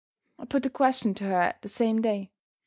I put the question to her the same day.